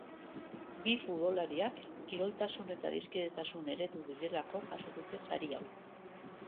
Bi futbolariak kiroltasun eta adiskidetasun eredu direlako jaso dute sari hau.